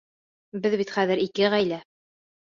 Беҙ бит хәҙер ике ғаилә.